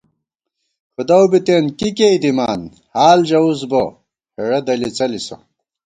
کھُدَؤ بِتېن کی کېئی دِمان، حال ژَوُس بہ ہېڑہ دَلی څَلِسہ